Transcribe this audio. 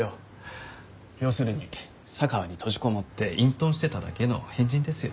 要するに佐川に閉じこもって隠とんしてただけの変人ですよ。